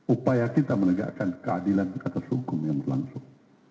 upaya kita menegakkan keadilan atas hukum yang berlangsung